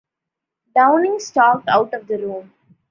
Downing stalked out of the room.